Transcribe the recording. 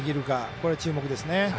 これが注目ですね。